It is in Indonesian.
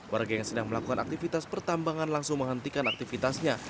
warga yang sedang melakukan aktivitas pertambangan langsung menghentikan aktivitasnya